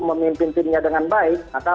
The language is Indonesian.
memimpin dirinya dengan baik maka